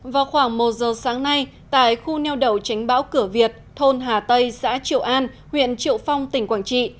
vào khoảng một giờ sáng nay tại khu neo đậu tránh bão cửa việt thôn hà tây xã triệu an huyện triệu phong tỉnh quảng trị